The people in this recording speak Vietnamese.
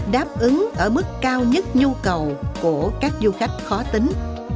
đáp ứng ở mức cao nhất nhu cầu của các du khách khó tính